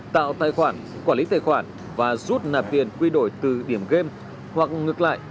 tạo tài khoản quản lý tài khoản và rút nạp tiền quy đổi từ điểm gây